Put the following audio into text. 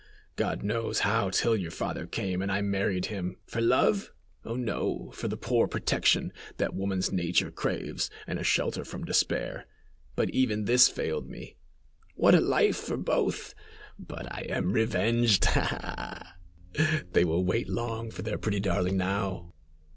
God knows how till your father came, and I married him. For love? Oh, no, for the poor protection that woman's nature craves and a shelter from despair. But even this failed me! "What a life for both! But I am revenged, ha! ha! They will wait long for their pretty darling, now."